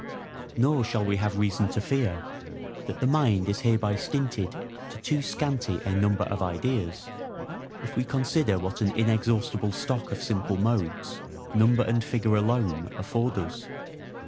Nor shall we have reason to fear that the mind is hereby stinted to too scanty a number of ideas, if we consider what an inexhaustible stock of simple modes number and figure alone afford us.